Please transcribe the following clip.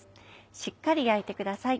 しっかり焼いてください。